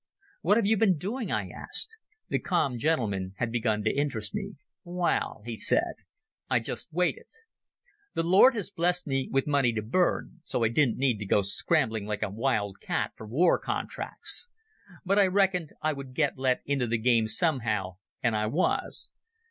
"What have you been doing?" I asked. The calm gentleman had begun to interest me. "Waal," he said, "I just waited. The Lord has blessed me with money to burn, so I didn't need to go scrambling like a wild cat for war contracts. But I reckoned I would get let into the game somehow, and I was.